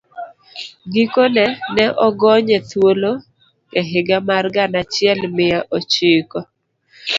Gikone, ne ogonye thuolo e higa mar gana achiel mia ochiko